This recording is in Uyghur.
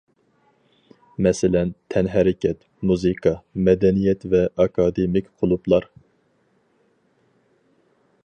مەسىلەن، تەنھەرىكەت، مۇزىكا، مەدەنىيەت ۋە ئاكادېمىك قۇلۇپلار.